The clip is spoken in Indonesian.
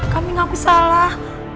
kami gak kesalah